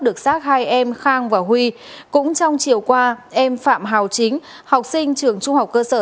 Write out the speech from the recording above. được xác hai em khang và huy cũng trong chiều qua em phạm hào chính học sinh trường trung học cơ sở